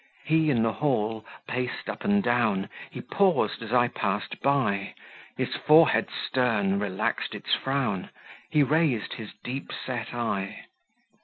He, in the hall, paced up and down; He paused as I passed by; His forehead stern relaxed its frown: He raised his deep set eye.